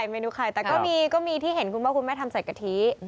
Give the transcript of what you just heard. เมนูไข่แต่ก็มีที่เห็นคุณว่าคุณแม่ทำใส่กะทิ